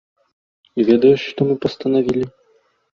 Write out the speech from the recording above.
І ведаеш, што мы пастанавілі?